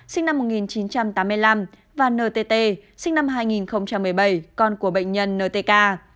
sinh năm một nghìn chín trăm tám mươi năm và ntt sinh năm hai nghìn một mươi bảy con của bệnh nhân ntk